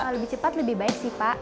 lebih cepat lebih baik sih pak